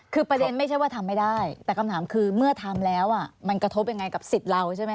คือประเด็นไม่ใช่ว่าทำไม่ได้แต่คำถามคือเมื่อทำแล้วมันกระทบยังไงกับสิทธิ์เราใช่ไหม